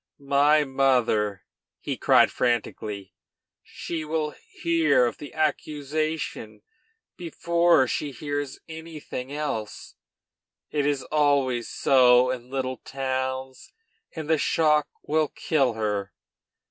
"My mother!" he cried frantically, "she will hear of the accusation before she hears anything else, it is always so in little towns; and the shock will kill her.